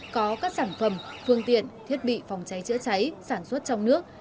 có các sản phẩm phương tiện thiết bị phòng cháy chữa cháy sản xuất trong nước